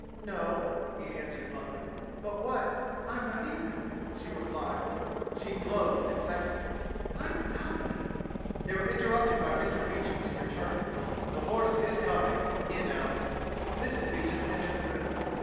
"No," he answered bluntly. "But what...?" "I'm not either," she replied. Her glowed with excitement. "I'm from Albany...." They were interrupted by Mr. Beecham's returning. "The horse is coming," he announced. Mrs. Beecham entered the room.